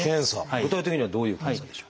具体的にはどういう検査でしょう？